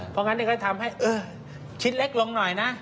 เพราะงั้นก็ทำให้ชิ้นเล็กลงหน่อยนะ